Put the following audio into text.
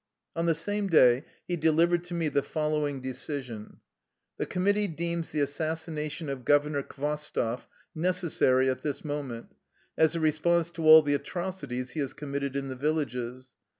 On the same day he delivered to me the follow ing decision: " The committee deems the assassination of Governor Khvostoff necessary at this moment, as a response to all the atrocities he has commit ted in the villages.